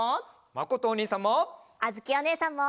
まことおにいさんも。